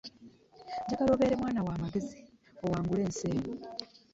Njagala obeere mwana wa magezi owangule ensi eno.